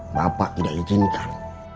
bapak tidak izinkan